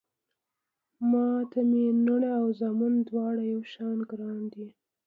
ما ته مې لوڼه او زامن دواړه يو شان ګران دي